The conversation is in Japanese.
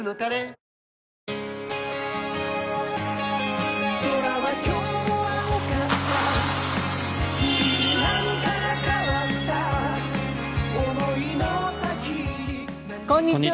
こんにちは。